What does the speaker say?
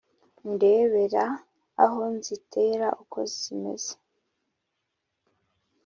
undebera aho nzitera uko zimeze